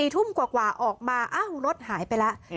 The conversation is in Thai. ทุ่มกว่าออกมารถหายไปแล้ว